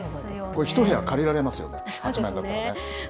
これ、１部屋借りられますよ、８万円だったらね。